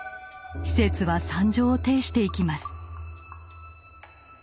施設は惨状を呈していきます。